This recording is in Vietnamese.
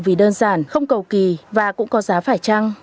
vì đơn giản không cầu kỳ và cũng có giá phải trăng